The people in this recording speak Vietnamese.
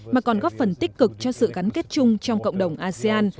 mà còn góp phần tích cực cho sự gắn kết chung trong cộng đồng asean